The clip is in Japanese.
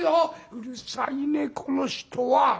「うるさいねこの人は。